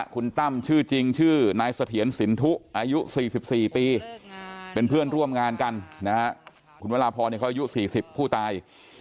คุณตั้มชื่อจริงชื่อนายเสถียรสินทุอายุ๔๔ปีเป็นเพื่อนร่วมงานกันนะฮะคุณวราพรเขาอายุ๔๐ผู้ตาย